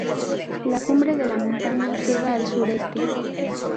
La cumbre de la montaña queda al sureste.